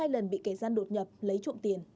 hai lần bị kẻ gian đột nhập lấy trộm tiền